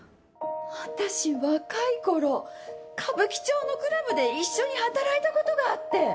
私若い頃歌舞伎町のクラブで一緒に働いたことがあって！